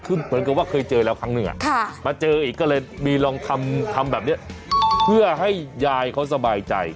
คือเหมือนกับว่าเคยเจอแล้วครั้งหนึ่งมาเจออีกก็เลยมีลองทำแบบนี้เพื่อให้ยายเขาสบายใจ